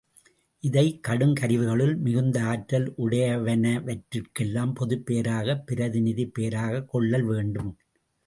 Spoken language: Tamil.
இதை, கடும் கருவிகளுள் மிகுந்த ஆற்றல் உடையனவற்றிற்கெல்லாம் பொதுப் பெயராக பிரதிநிதிப் பெயராகக் கொள்ளல் வேண்டும்.